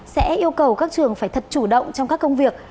sẽ yêu cầu các trường phải thật chủ động trong các công việc